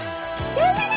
頑張れ！